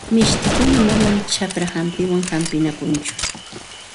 Mishtikuna manam chakra hampiwan hampinakunchu.